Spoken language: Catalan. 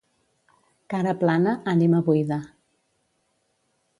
Cara plana, ànima buida.